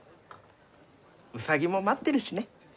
ウサギも待ってるしね。